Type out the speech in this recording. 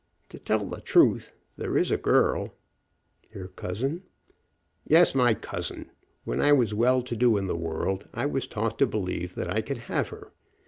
To tell the truth, there is a girl " "Your cousin?" "Yes; my cousin. When I was well to do in the world I was taught to believe that I could have her.